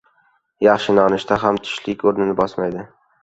• Yaxshi nonushta ham tushlik o‘rnini bosmaydi.